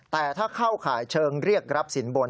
แต่ถ้าเข้าข่ายเชิงเรียกรับสินบน